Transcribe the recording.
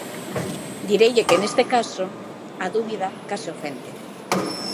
Direille que, neste caso, a dúbida case ofende.